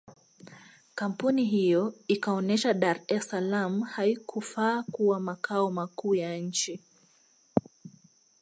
Kampuni hiyo ikaonesha Dar es salaam haikufaa kuwa makao makuu ya nchi